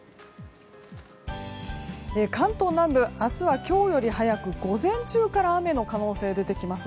関東南部、明日は今日より早く午前中から雨の可能性が出てきます。